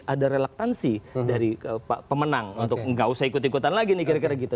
ada relaktansi dari pemenang untuk gak usah ikut ikutan lagi nih kira kira gitu